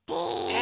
え